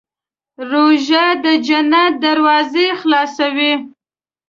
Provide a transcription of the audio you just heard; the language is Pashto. روژه د جنت دروازې خلاصوي.